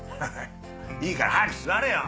いいから早く座れよ。